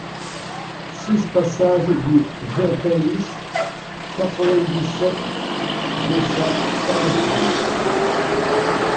six passage du The Pays, quatre-vingt-dix-sept, deux cents, Fort-de-France